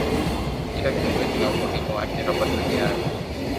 Kila kiumbe kina umuhimu wake hapa duniani